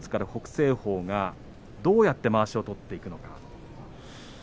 青鵬がどうやってまわしを取っていくのか。